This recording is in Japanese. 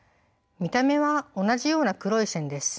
見た目は同じような黒い線です。